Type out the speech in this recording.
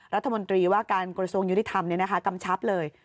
รัฐมนตรีว่าการกระทรวงยุติธรรมกำชับเลย